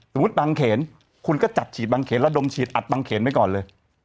สมมุติบ้างเขนคุณก็จัดฉีดบ้างเขนเอาดมฉีดอัดบ้างเขนไปก่อนเลย